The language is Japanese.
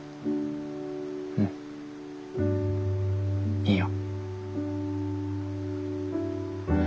うんいいよ。